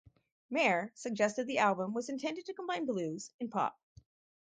Mayer suggested the album was intended to combine blues and pop.